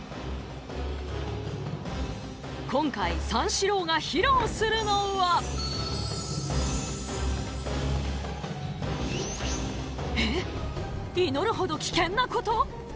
今回、三志郎が披露するのはえっ、祈るほど危険なこと！？